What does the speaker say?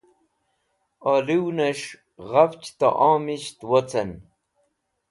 oluw'nesh ghafch ta'om isht wocen